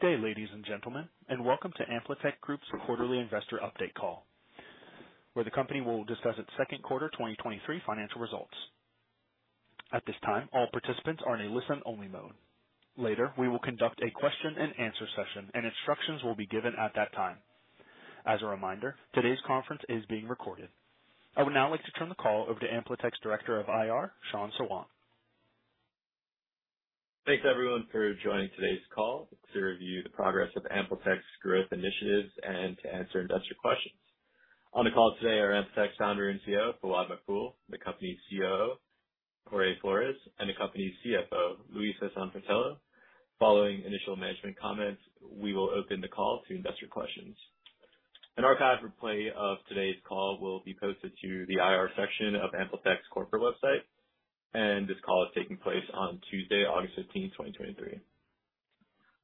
Good day, ladies and gentlemen, and welcome to AmpliTech Group's quarterly investor update call, where the company will discuss its second quarter 2023 financial results. At this time, all participants are in a listen-only mode. Later, we will conduct a question and answer session, and instructions will be given at that time. As a reminder, today's conference is being recorded. I would now like to turn the call over to AmpliTech's Director of IR, Shan Sawant. Thanks, everyone, for joining today's call to review the progress of AmpliTech's growth initiatives and to answer investor questions. On the call today are AmpliTech's Founder and CEO, Fawad Maqbool, the company's COO, Jorge Flores, and the company's CFO, Louisa Sanfratello. Following initial management comments, we will open the call to investor questions. An archived replay of today's call will be posted to the IR section of AmpliTech's corporate website. This call is taking place on Tuesday, August 15th, 2023.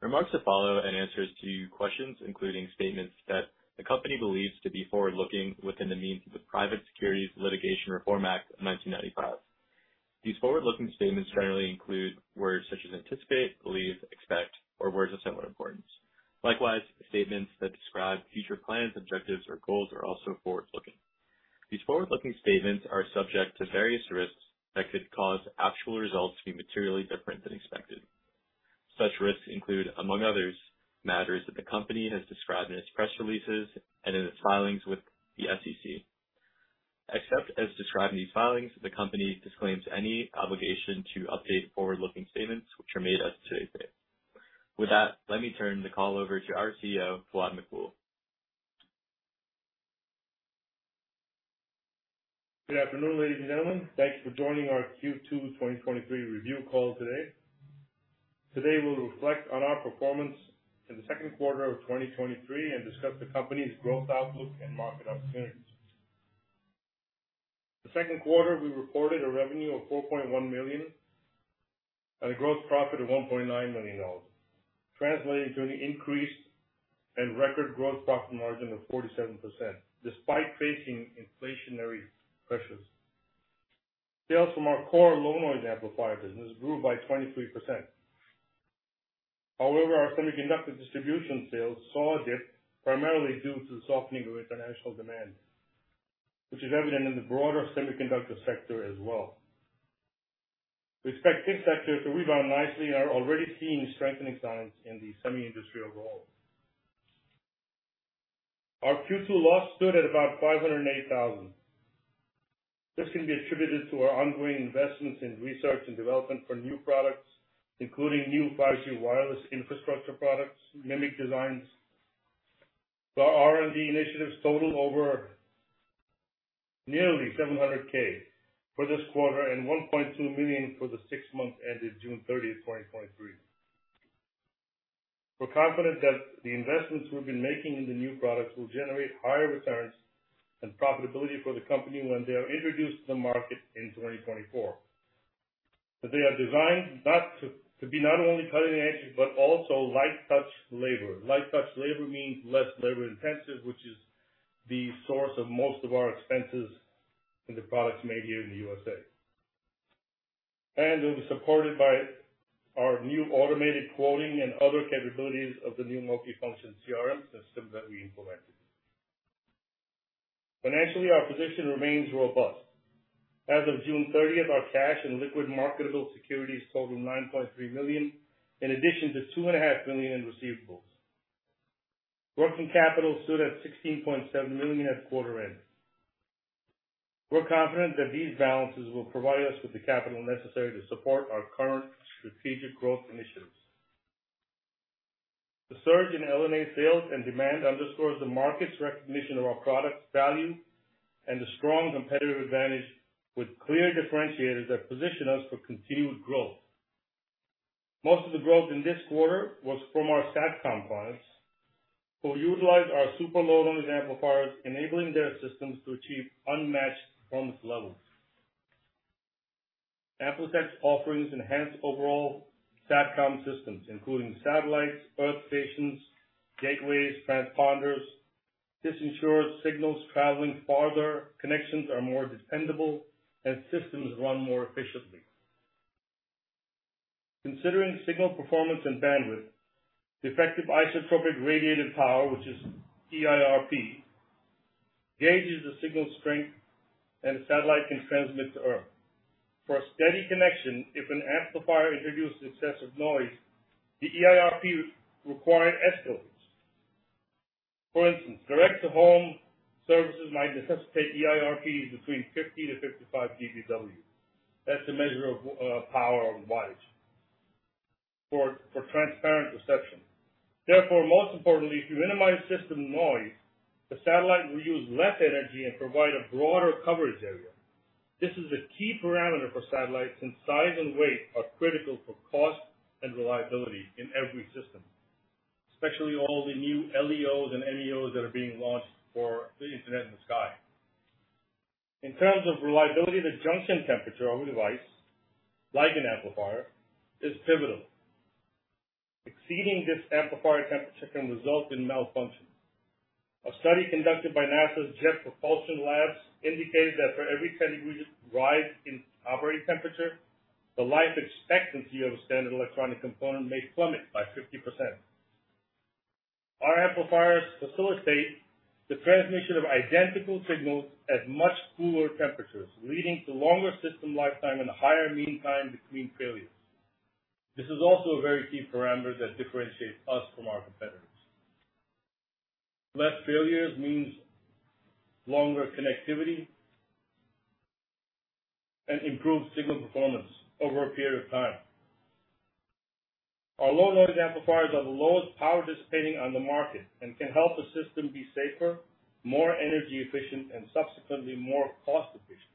Remarks that follow and answers to questions, including statements that the company believes to be forward-looking within the means of the Private Securities Litigation Reform Act of 1995. These forward-looking statements generally include words such as anticipate, believe, expect, or words of similar importance. Likewise, statements that describe future plans, objectives, or goals are also forward-looking. These forward-looking statements are subject to various risks that could cause actual results to be materially different than expected. Such risks include, among others, matters that the company has described in its press releases and in its filings with the SEC. Except as described in these filings, the company disclaims any obligation to update forward-looking statements which are made as of today's date. With that, let me turn the call over to our CEO, Fawad Maqbool. Good afternoon, ladies and gentlemen. Thank you for joining our Q2 2023 review call today. Today, we'll reflect on our performance in the second quarter of 2023 and discuss the company's growth outlook and market opportunities. The second quarter, we reported a revenue of $4.1 million and a gross profit of $1.9 million, translating to an increase and record gross profit margin of 47%, despite facing inflationary pressures. Sales from our core low-noise amplifier business grew by 23%. Our semiconductor distribution sales saw a dip primarily due to the softening of international demand, which is evident in the broader semiconductor sector as well. We expect this sector to rebound nicely and are already seeing strengthening signs in the semi industrial world. Our Q2 loss stood at about $508,000. This can be attributed to our ongoing investments in research and development for new products, including new 5G wireless infrastructure products, MMIC designs. Our R&D initiatives totaled over nearly $700K for this quarter and $1.2 million for the six months ended June 30th, 2023. We're confident that the investments we've been making in the new products will generate higher returns and profitability for the company when they are introduced to the market in 2024. They are designed to be not only cutting edge, but also light touch labor. Light touch labor means less labor intensive, which is the source of most of our expenses in the products made here in the USA. It was supported by our new automated quoting and other capabilities of the new multifunction CRM system that we implemented. Financially, our position remains robust. As of June thirtieth, our cash and liquid marketable securities totaled $9.3 million, in addition to $2.5 million in receivables. Working capital stood at $16.7 million at quarter end. We're confident that these balances will provide us with the capital necessary to support our current strategic growth initiatives. The surge in LNA sales and demand underscores the market's recognition of our products' value and the strong competitive advantage with clear differentiators that position us for continued growth. Most of the growth in this quarter was from our SatCom clients, who utilized our super low-noise amplifiers, enabling their systems to achieve unmatched performance levels. AmpliTech's offerings enhance overall SatCom systems, including satellites, earth stations, gateways, transponders. This ensures signals traveling farther, connections are more dependable, and systems run more efficiently. Considering signal performance and bandwidth, the effective isotropic radiated power, which is EIRP, gauges the signal strength that a satellite can transmit to Earth. For a steady connection, if an amplifier introduces excessive noise, the EIRP required escalates. For instance, direct-to-home services might necessitate EIRPs between 50-55 dBW. That's a measure of power on watts for transparent reception. Most importantly, if you minimize system noise, the satellite will use less energy and provide a broader coverage area. This is a key parameter for satellites since size and weight are critical for cost and reliability in every system, especially all the new LEOs and MEOs that are being launched for the Internet in the sky. In terms of reliability, the junction temperature of a device, like an amplifier, is pivotal. Exceeding this amplifier temperature can result in malfunction....A study conducted by NASA's Jet Propulsion Laboratory indicates that for every 10 degrees rise in operating temperature, the life expectancy of a standard electronic component may plummet by 50%. Our amplifiers facilitate the transmission of identical signals at much cooler temperatures, leading to longer system lifetime and a higher mean time between failures. This is also a very key parameter that differentiates us from our competitors. Less failures means longer connectivity and improved signal performance over a period of time. Our low-noise amplifiers are the lowest power dissipating on the market and can help the system be safer, more energy efficient, and subsequently more cost efficient.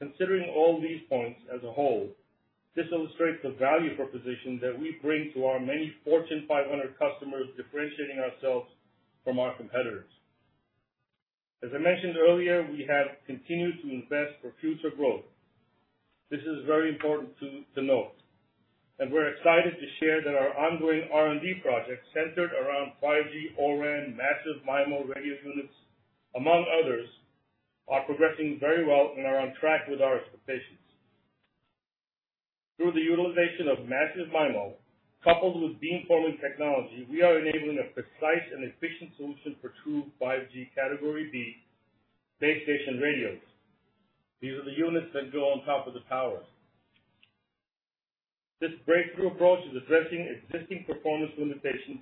Considering all these points as a whole, this illustrates the value proposition that we bring to our many Fortune 500 customers, differentiating ourselves from our competitors. As I mentioned earlier, we have continued to invest for future growth. This is very important to, to note. We're excited to share that our ongoing R&D projects, centered around 5G O-RAN Massive MIMO Radio units, among others, are progressing very well and are on track with our expectations. Through the utilization of Massive MIMO, coupled with beamforming technology, we are enabling a precise and efficient solution for true 5G Category B base station radios. These are the units that go on top of the towers. This breakthrough approach is addressing existing performance limitations,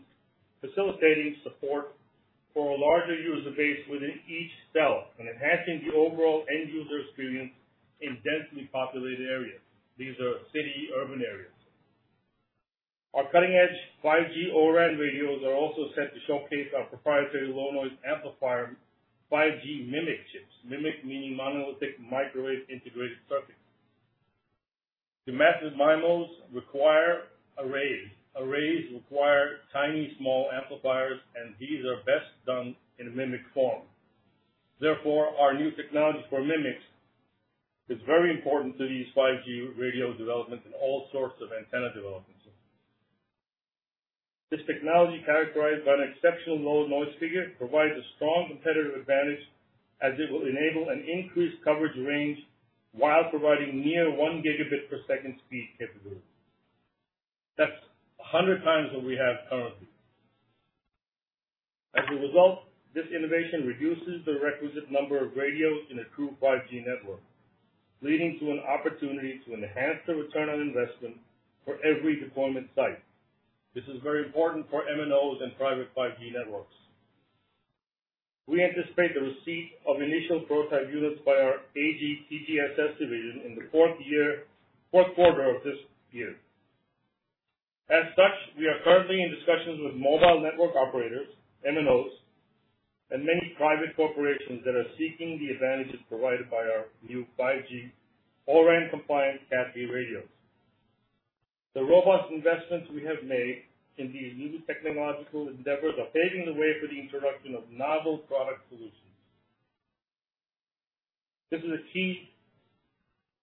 facilitating support for a larger user base within each cell and enhancing the overall end-user experience in densely populated areas. These are city, urban areas. Our cutting-edge 5G O-RAN radios are also set to showcase our proprietary low-noise amplifier, 5G MMIC chips. MMIC meaning Monolithic Microwave Integrated Circuit. The Massive MIMOs require arrays. Arrays require tiny, small amplifiers, and these are best done in a MMIC form. Therefore, our new technology for MMICs is very important to these 5G radio development and all sorts of antenna developments. This technology, characterized by an exceptional low noise figure, provides a strong competitive advantage as it will enable an increased coverage range while providing near 1 Gb per second speed capabilities. That's 100 times what we have currently. As a result, this innovation reduces the requisite number of radios in a true 5G network, leading to an opportunity to enhance the return on investment for every deployment site. This is very important for MNOs and private 5G networks. We anticipate the receipt of initial prototype units by our AGTGTSS division in the fourth quarter of this year. As such, we are currently in discussions with mobile network operators, MNOs, and many private corporations that are seeking the advantages provided by our new 5G O-RAN compliant Cat B radios. The robust investments we have made in these new technological endeavors are paving the way for the introduction of novel product solutions. This is a key,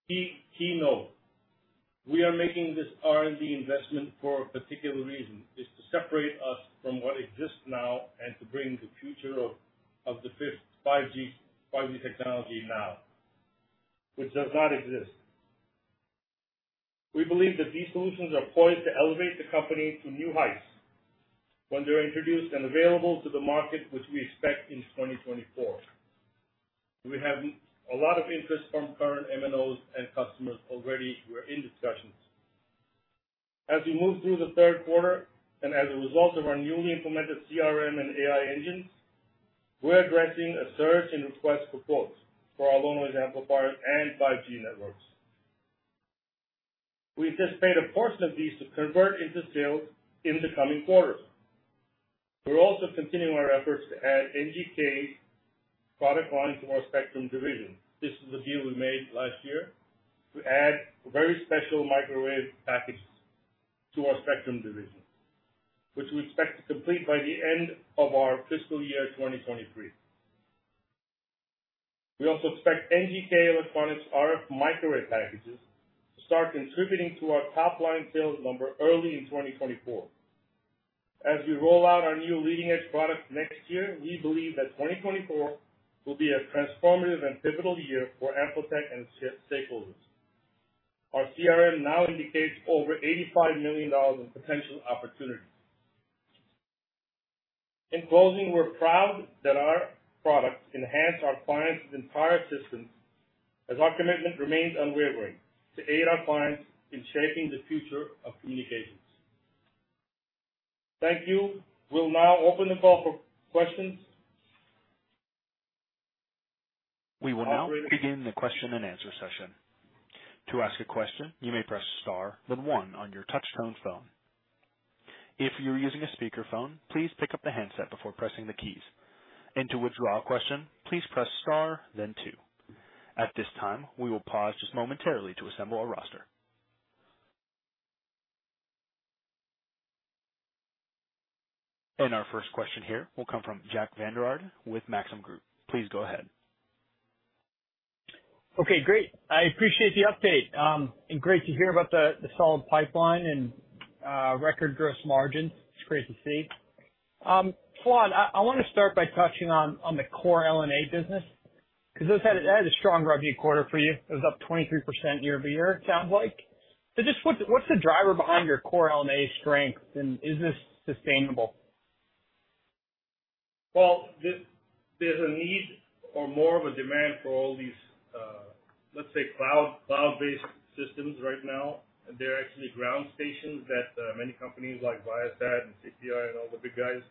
key, key note. We are making this R&D investment for a particular reason. It's to separate us from what exists now and to bring the future of the fifth 5G, 5G technology now, which does not exist. We believe that these solutions are poised to elevate the company to new heights when they're introduced and available to the market, which we expect in 2024. We have a lot of interest from current MNOs and customers already. We're in discussions. As we move through the third quarter and as a result of our newly implemented CRM and AI engines, we're addressing a surge in requests for quotes for our low-noise amplifiers and 5G networks. We anticipate a portion of these to convert into sales in the coming quarters. We're also continuing our efforts to add NGK's product line to our Spectrum division. This is a deal we made last year to add very special microwave packages to our Spectrum division, which we expect to complete by the end of our fiscal year, 2023. We also expect NGK Electronic Devices RF microwave packages to start contributing to our top line sales number early in 2024. As we roll out our new leading-edge products next year, we believe that 2024 will be a transformative and pivotal year for AmpliTech and its stakeholders. Our CRM now indicates over $85 million in potential opportunities. In closing, we're proud that our products enhance our clients' entire systems, as our commitment remains unwavering to aid our clients in shaping the future of communications. Thank you. We'll now open the call for questions. We will now begin the question and answer session. To ask a question, you may press star then one on your touchtone phone. If you're using a speakerphone, please pick up the handset before pressing the keys. To withdraw a question, please press star then two. At this time, we will pause just momentarily to assemble our roster. Our 1st question here will come from Jack Vander Aarde with Maxim Group. Please go ahead. Okay, great. I appreciate the update, great to hear about the, the solid pipeline and record gross margin. It's great to see. Fawad, I, I wanna start by touching on, on the core LNA business, because this had, it had a strong revenue quarter for you. It was up 23% year-over-year, it sounds like. Just what's, what's the driver behind your core LNA strength, and is this sustainable? Well, there's a need or more of a demand for all these, let's say cloud, cloud-based systems right now. They're actually ground stations that many companies like Viasat and CPI and all the big guys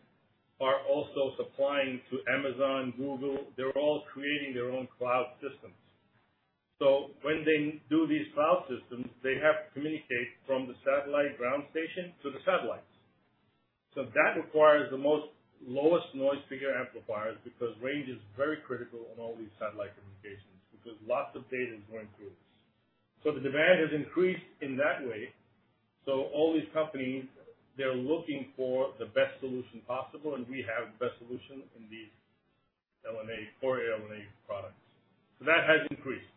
are also supplying to Amazon, Google. They're all creating their own cloud systems. When they do these cloud systems, they have to communicate from the satellite ground station to the satellites. That requires the most lowest noise figure amplifiers, because range is very critical in all these satellite communications, because lots of data is going through this. The demand has increased in that way. All these companies, they're looking for the best solution possible, and we have the best solution in these LNA, core LNA products. That has increased.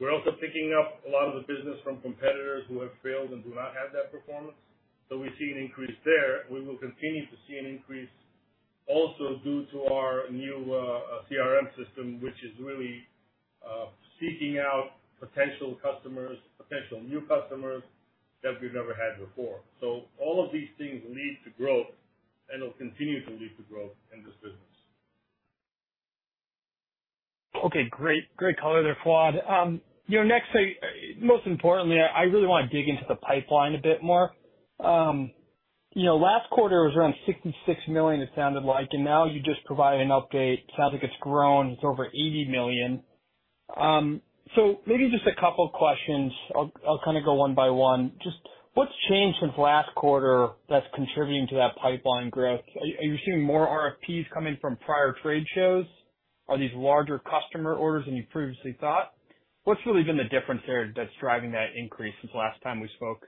We're also picking up a lot of the business from competitors who have failed and do not have that performance. We see an increase there. We will continue to see an increase also due to our new CRM system, which is really seeking out potential customers, potential new customers that we've never had before. All of these things lead to growth and will continue to lead to growth in this business. Okay, great. Great color there, Fawad. You know, next thing, most importantly, I, I really want to dig into the pipeline a bit more. You know, last quarter was around $66 million, it sounded like, and now you just provided an update. Sounds like it's grown, it's over $80 million. Maybe just a couple questions. I'll, I'll kind of go one by one. Just what's changed since last quarter that's contributing to that pipeline growth? Are, are you seeing more RFPs coming from prior trade shows? Are these larger customer orders than you previously thought? What's really been the difference there that's driving that increase since last time we spoke?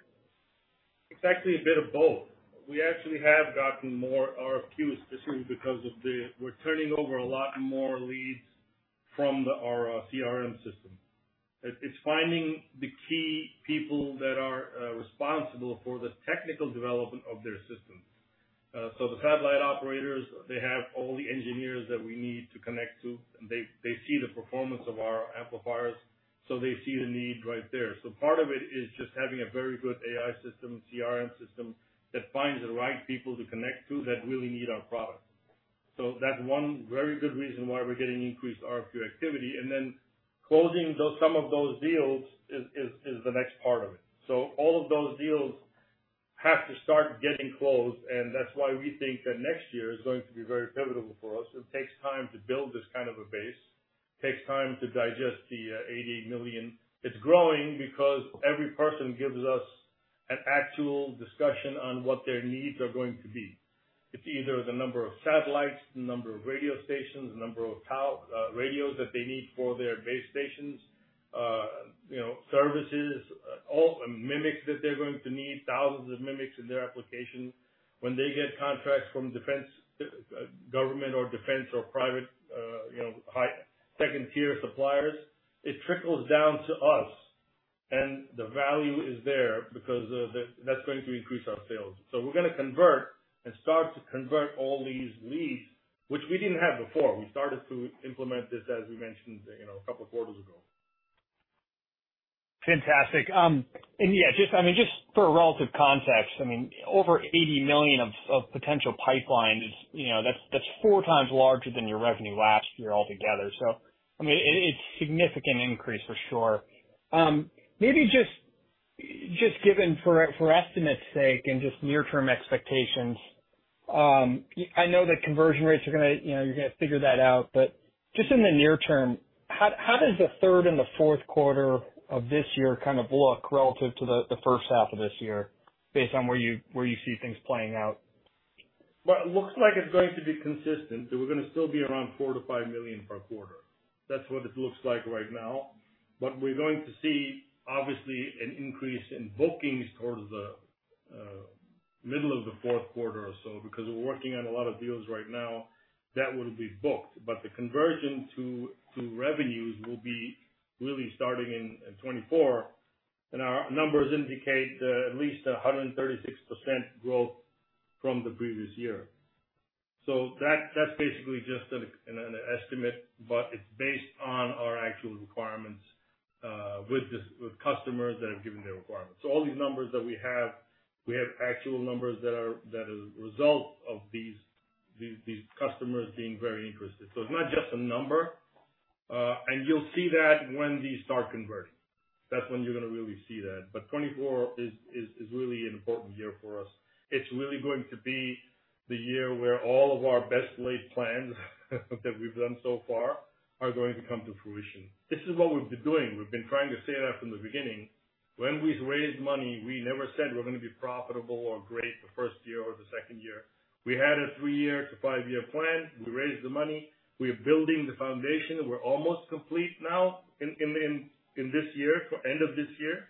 It's actually a bit of both. We actually have gotten more RFQs, just because of the. We're turning over a lot more leads from our CRM system. It's finding the key people that are responsible for the technical development of their systems. The satellite operators, they have all the engineers that we need to connect to, and they see the performance of our amplifiers, so they see the need right there. Part of it is just having a very good AI system, CRM system, that finds the right people to connect to that really need our product. That's one very good reason why we're getting increased RFQ activity, and then closing some of those deals is the next part of it. All of those deals have to start getting closed, and that's why we think that next year is going to be very pivotal for us. It takes time to build this kind of a base. It takes time to digest the $80 million. It's growing because every person gives us an actual discussion on what their needs are going to be. It's either the number of satellites, the number of radio stations, the number of tow- radios that they need for their base stations, you know, services, all, and MMICs that they're going to need, thousands of MMICs in their application. When they get contracts from defense, government or defense or private, you know, high second-tier suppliers, it trickles down to us, and the value is there because of the, that's going to increase our sales. We're gonna convert and start to convert all these leads, which we didn't have before. We started to implement this, as we mentioned, you know, a couple quarters ago. Fantastic. Yeah, just, I mean, just for a relative context, I mean, over $80 million of, of potential pipeline is, you know, that's, that's four times larger than your revenue last year altogether. I mean, it, it's a significant increase for sure. Maybe just, just given for estimate's sake and just near-term expectations, I know that conversion rates are gonna, you know, you're gonna figure that out. Just in the near term, how, how does the third and fourth quarter of this year kind of look relative to the, the first half of this year, based on where you, where you see things playing out? Well, it looks like it's going to be consistent, we're gonna still be around $4 million-$5 million per quarter. That's what it looks like right now. We're going to see, obviously, an increase in bookings towards the middle of the fourth quarter or so, because we're working on a lot of deals right now that will be booked. The conversion to revenues will be really starting in 2024, our numbers indicate at least 136% growth from the previous year. That's basically just an estimate, but it's based on our actual requirements with customers that have given their requirements. All these numbers that we have, we have actual numbers that are a result of these customers being very interested. It's not just a number, and you'll see that when these start converting. That's when you're gonna really see that. 24 is really an important year for us. It's really going to be the year where all of our best laid plans, that we've done so far are going to come to fruition. This is what we've been doing. We've been trying to say that from the beginning. When we've raised money, we never said we're gonna be profitable or great the 1st year or the 2nd year. We had a three-year to five-year plan. We raised the money. We are building the foundation, and we're almost complete now in this year, for end of this year.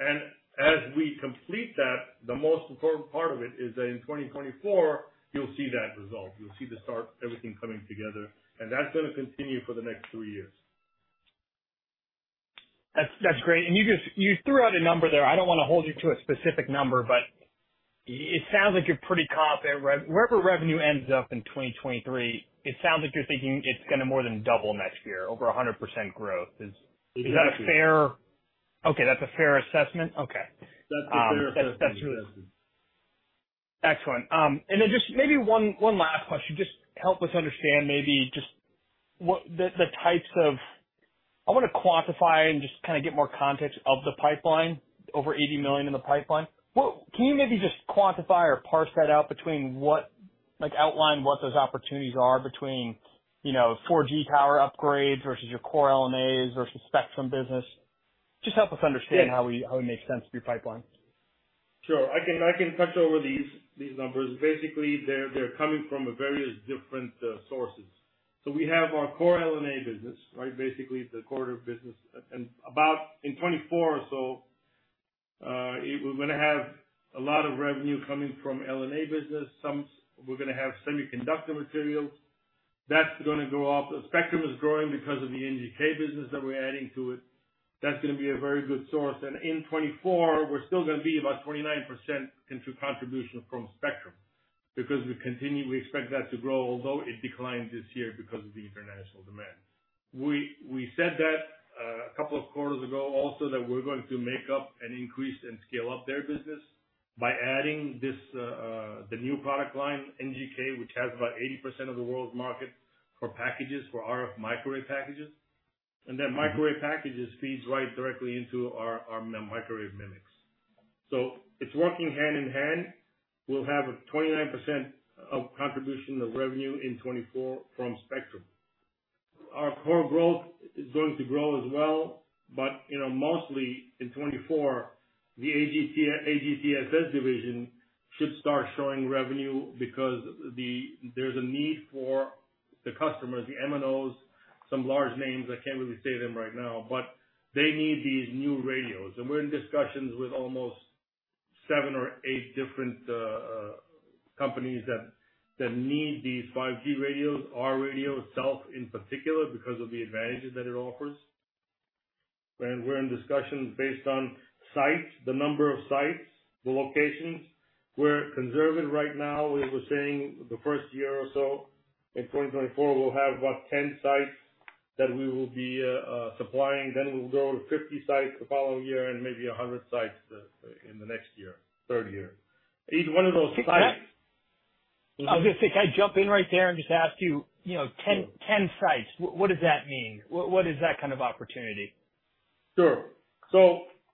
As we complete that, the most important part of it is that in 2024, you'll see that result. You'll see the start, everything coming together, and that's going to continue for the next three years. That's, that's great. You just threw out a number there. I don't want to hold you to a specific number, but it sounds like you're pretty confident. Wherever revenue ends up in 2023, it sounds like you're thinking it's going to more than double next year, over 100% growth? Exactly. Is that a fair...? Okay, that's a fair assessment? Okay. That's a fair assessment. That's, That's true. Excellent. Just maybe one, one last question. Just help us understand, maybe just what the, the types of... I want to quantify and just kind of get more context of the pipeline, over $80 million in the pipeline. Can you maybe just quantify or parse that out between like, outline what those opportunities are between, you know, 4G power upgrades versus your core LNAs versus Spectrum business? Just help us understand- Yes. how we, how we make sense of your pipeline. Sure. I can, I can touch over these, these numbers. Basically, they're, they're coming from a various different sources. We have our core LNA business, right? Basically, the core of business. About in 2024 or so, we're going to have a lot of revenue coming from LNA business. Some we're going to have semiconductor materials. That's going to go up. The Spectrum is growing because of the NGK business that we're adding to it. That's going to be a very good source. In 2024, we're still going to be about 29% into contribution from Spectrum because we expect that to grow, although it declined this year because of the international demand. We, we said that, a couple of quarters ago also, that we're going to make up and increase and scale up their business by adding this, the new product line, NGK, which has about 80% of the world's market for packages, for RF microwave packages. That microwave packages feeds right directly into our, our microwave MMIC's. It's working hand in hand. We'll have a 29% of contribution of revenue in 2024 from Spectrum. Our core growth is going to grow as well, but, you know, mostly in 2024, the AGT, AGTGSS division should start showing revenue because there's a need for the customers, the MNOs, some large names, I can't really say them right now, but they need these new radios. We're in discussions with almost seven or eight different companies that, that need these 5G radios, our radio itself in particular, because of the advantages that it offers. We're in discussions based on sites, the number of sites, the locations. We're conservative right now. We're saying the 1st year or so, in 2024, we'll have about 10 sites that we will be supplying. We'll go to 50 sites the following year and maybe 100 sites in the next year, third year. Each one of those sites- I'll just, can I jump in right there and just ask you, you know, 10, 10 sites, what, what does that mean? What, what is that kind of opportunity? Sure.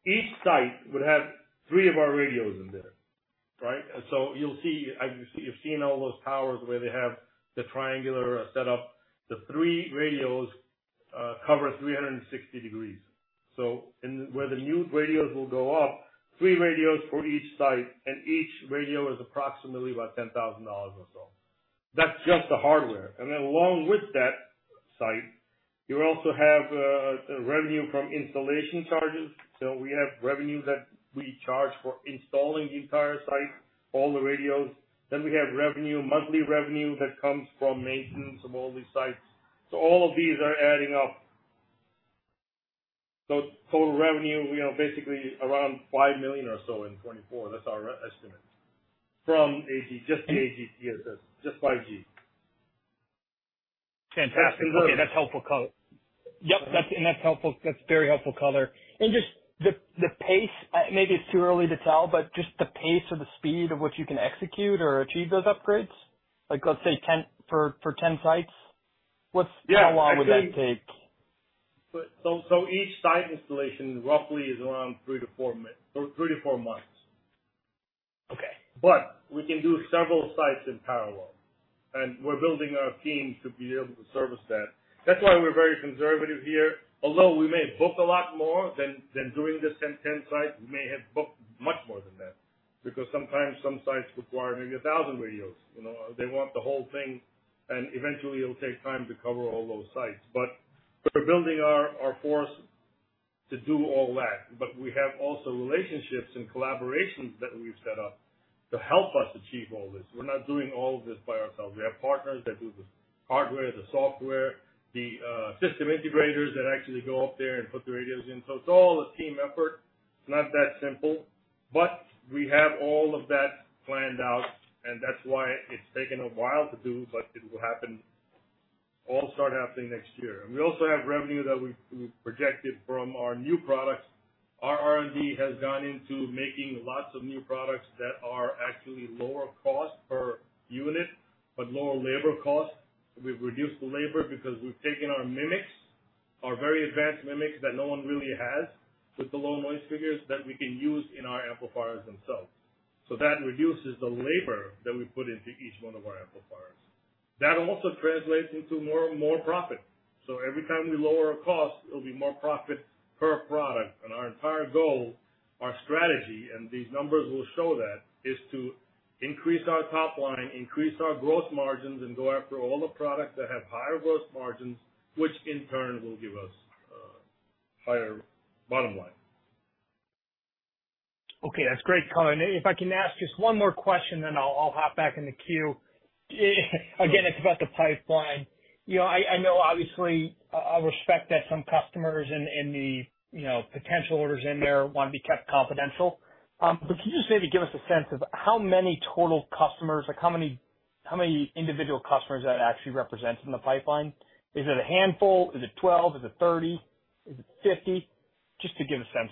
Each site would have three of our radios in there, right? You'll see, as you've seen all those towers where they have the triangular setup, the three radios cover 360 degrees. Where the new radios will go up, three radios for each site, and each radio is approximately about $10,000 or so. That's just the hardware. Then along with that site, you also have revenue from installation charges. We have revenue that we charge for installing the entire site, all the radios. We have revenue, monthly revenue, that comes from maintenance of all these sites. All of these are adding up. Total revenue, you know, basically around $5 million or so in 2024. That's our re- estimate from AG, just the AGTGSS, just 5G. Fantastic. Okay. Okay, that's helpful color. Yep, that's, that's helpful. That's very helpful color. Just the, the pace, maybe it's too early to tell, but just the pace or the speed of which you can execute or achieve those upgrades, like, let's say for 10 sites? Yeah. How long would that take? Each site installation roughly is around three months-four months. Okay. We can do several sites in parallel, and we're building our team to be able to service that. That's why we're very conservative here. Although we may book a lot more than, than doing this 10, 10 sites, we may have booked much more than that, because sometimes some sites require maybe 1,000 radios. You know, they want the whole thing. Eventually, it'll take time to cover all those sites. We're building our, our force to do all that. We have also relationships and collaborations that we've set up to help us achieve all this. We're not doing all of this by ourselves. We have partners that do the hardware, the software, the system integrators that actually go up there and put the radios in. It's all a team effort. It's not that simple, but we have all of that planned out, and that's why it's taken a while to do, but it will happen, all start happening next year. We also have revenue that we've projected from our new products. Our R&D has gone into making lots of new products that are actually lower cost per unit, but lower labor cost. We've reduced the labor because we've taken our MMICs, our very advanced MMICs that no one really has, with the low noise figures that we can use in our amplifiers themselves. That reduces the labor that we put into each one of our amplifiers. That also translates into more profit. Every time we lower our cost, it'll be more profit per product. Our entire goal, our strategy, and these numbers will show that, is to-... increase our top line, increase our gross margins, and go after all the products that have higher gross margins, which in turn will give us higher bottom line. Okay, that's great, Colin. If I can ask just one more question, then I'll, I'll hop back in the queue. Again, it's about the pipeline. You know, I, I know obviously, I, I respect that some customers and, and the, you know, potential orders in there want to be kept confidential. Can you just maybe give us a sense of how many total customers or how many, how many individual customers that actually represents in the pipeline? Is it a handful? Is it 12? Is it 30? Is it 50? Just to give a sense.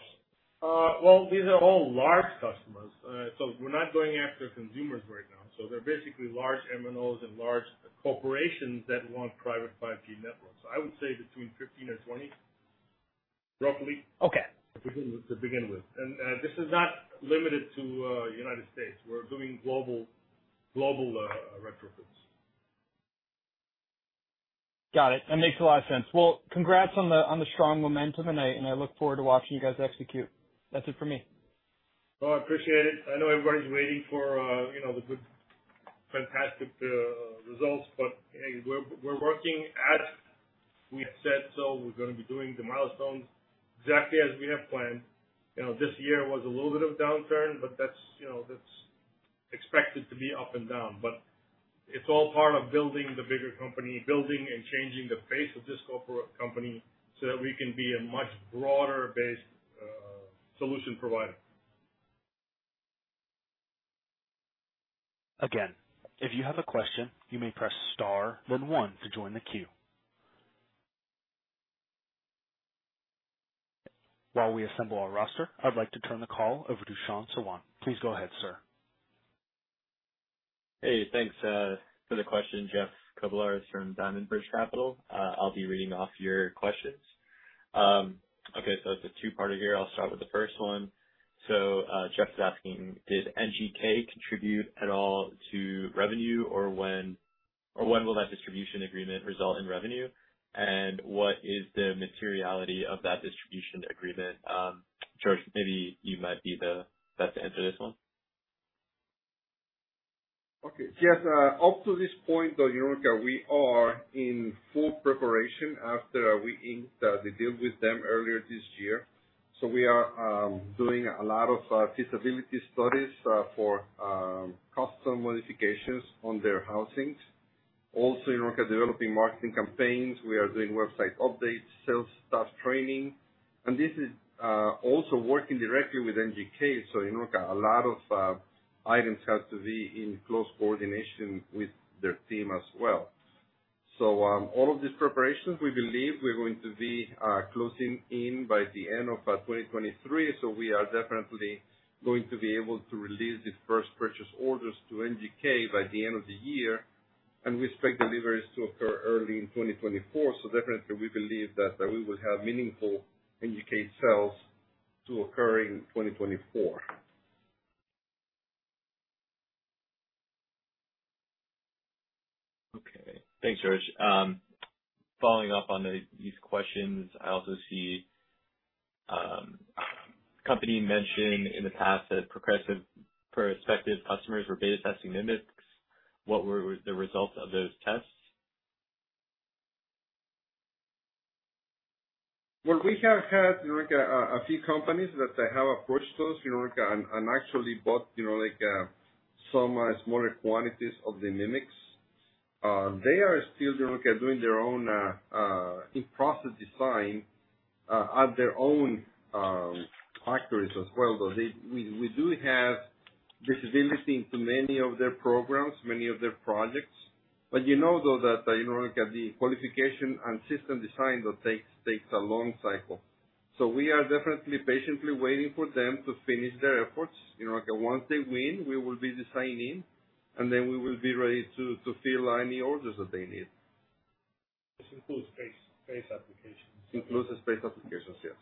Well, these are all large customers, so we're not going after consumers right now. They're basically large MNOs and large corporations that want private 5G networks. I would say between 15 and 20, roughly. Okay. to begin, to begin with. This is not limited to, United States. We're doing global, global, retrofits. Got it. That makes a lot of sense. Well, congrats on the, on the strong momentum, and I, and I look forward to watching you guys execute. That's it for me. Well, I appreciate it. I know everybody's waiting for, you know, the good, fantastic, results, but, hey, we're, we're working as we have said. We're gonna be doing the milestones exactly as we have planned. You know, this year was a little bit of a downturn, but that's, you know, that's expected to be up and down. It's all part of building the bigger company, building and changing the face of this company, so that we can be a much broader-based, solution provider. Again, if you have a question, you may press star, then one to join the queue. While we assemble our roster, I'd like to turn the call over to Shan Sawant. Please go ahead, sir. Hey, thanks for the question, Jeff Kobylarz from Diamond Bridge Capital. I'll be reading off your questions. Okay, it's a two-parter here. I'll start with the first one. Jeff is asking: Did NGK contribute at all to revenue, or when, or when will that distribution agreement result in revenue? What is the materiality of that distribution agreement? Jorge, maybe you might be the best to answer this one. Okay. Yes, up to this point, though, you know, we are in full preparation after we inked the deal with them earlier this year. We are doing a lot of feasibility studies for custom modifications on their housings. Also, you know, developing marketing campaigns. We are doing website updates, sales staff training, and this is also working directly with NGK. You know, a lot of items have to be in close coordination with their team as well. All of these preparations we believe we're going to be closing in by the end of 2023. We are definitely going to be able to release these 1st purchase orders to NGK by the end of the year, and we expect deliveries to occur early in 2024. Definitely, we believe that we will have meaningful NGK sales to occur in 2024. Okay. Thanks, Jorge Flores. Following up on these questions, I also see company mentioned in the past that prospective customers were beta testing MMICs. What were the results of those tests? Well, we have had, you know, a few companies that have approached us, you know, and actually bought, you know, like some smaller quantities of the MMICs. They are still, you know, doing their own in process design at their own factories as well. We do have visibility into many of their programs, many of their projects. You know, though, that, you know, the qualification and system design that takes, takes a long cycle. We are definitely patiently waiting for them to finish their efforts. You know, once they win, we will be designing, and then we will be ready to fill any orders that they need. This includes space, space applications. Includes the space applications, yes.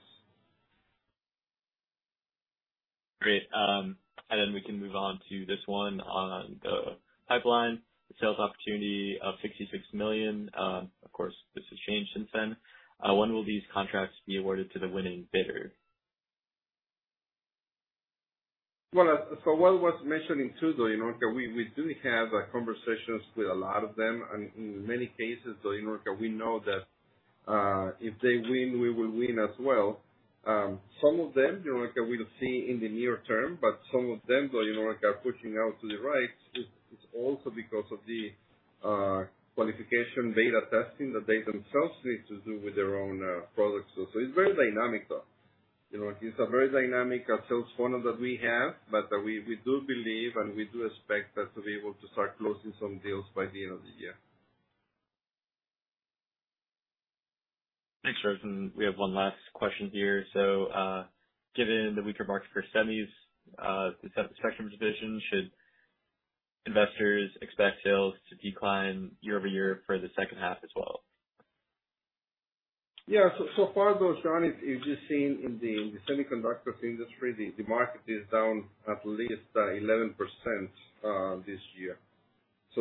Great. We can move on to this one on the pipeline. The sales opportunity of $66 million, of course, this has changed since then. When will these contracts be awarded to the winning bidder? Well, what was mentioned in Shan, you know, we, we do have conversations with a lot of them, and in many cases, you know, we know that if they win, we will win as well. Some of them, you know, we'll see in the near term, but some of them, though, you know, are pushing out to the right, it's, it's also because of the qualification beta testing that they themselves need to do with their own products. It's very dynamic, though. You know, it's a very dynamic sales funnel that we have, but we, we do believe, and we do expect us to be able to start closing some deals by the end of the year. Thanks, Jorge, and we have one last question here. Given the weaker market for semis, the Spectrum division, should investors expect sales to decline year-over-year for the second half as well? Yeah. So far, though, Shan, as, as you've seen in the semiconductor industry, the market is down at least 11% this year.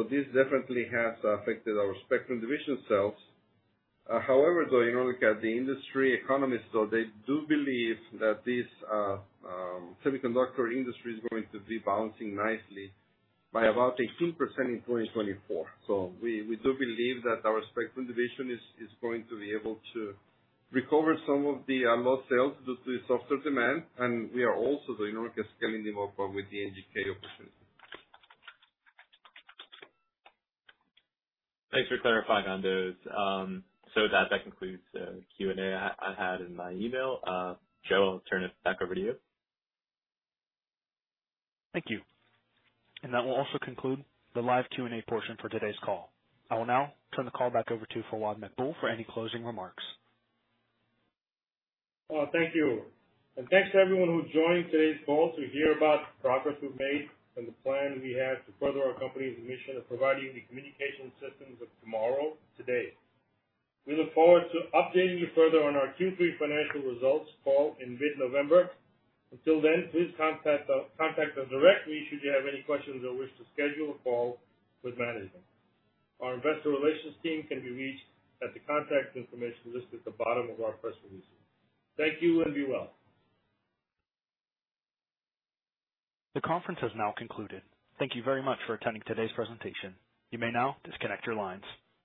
This definitely has affected our Spectrum division sales. However, though, you know, look at the industry economists, so they do believe that this semiconductor industry is going to be bouncing nicely by about 18% in 2024. We, we do believe that our Spectrum division is, is going to be able to recover some of the lost sales due to softer demand, and we are also, you know, scaling them up with the NGK opportunity. Thanks for clarifying on those. That, that concludes the Q&A I, I had in my email. Joe, I'll turn it back over to you. Thank you. That will also conclude the live Q&A portion for today's call. I will now turn the call back over to Fawad Maqbool for any closing remarks. Thank you. Thanks to everyone who joined today's call to hear about the progress we've made and the plans we have to further our company's mission of providing the communication systems of tomorrow, today. We look forward to updating you further on our Q3 financial results call in mid-November. Until then, please contact us directly should you have any questions or wish to schedule a call with management. Our investor relations team can be reached at the contact information listed at the bottom of our press release. Thank you and be well. The conference has now concluded. Thank you very much for attending today's presentation. You may now disconnect your lines.